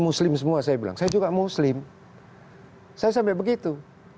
muslim semua saya bilang saya juga muslim saya sampai begitu